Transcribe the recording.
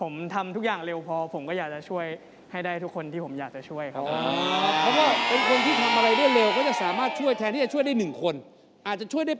คือชาวเซเวียนี่สามารถที่จะอ่านใจคนได้